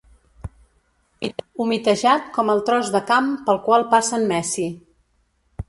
Humitejat com el tros de camp pel qual passa en Messi.